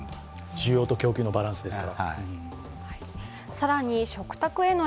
需要と供給のバランスですか。